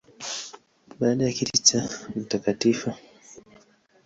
Baada ya kiti cha Mt.